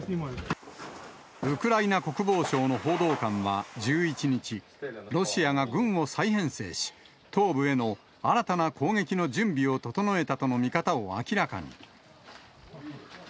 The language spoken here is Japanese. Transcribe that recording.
ウクライナ国防省の報道官は１１日、ロシアが軍を再編成し、東部への新たな攻撃の準備を整えたとの見方を明らかに。